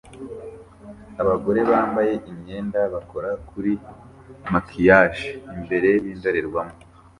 Abagore bambaye imyenda bakora kuri maquillage imbere yindorerwamo